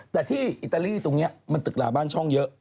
แต่ที่อิตาลีตรงนี้มันตึกลาบ้านช่องเยอะ